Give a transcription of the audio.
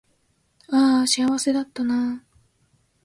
あーあ幸せだったなー